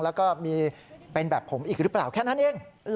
แล้วก็มีเป็นแบบผมอีกหรือเปล่าแค่นั้นเอง